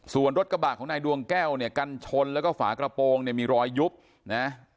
ส่วนรถกระบะของนายดวงแก้วเนี่ยกันชนแล้วก็ฝากระโปรงเนี่ยมีรอยยุบนะ